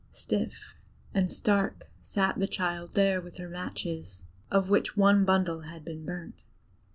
Stiff and stark sat the child there with her matches, of which one bundle had been burnt.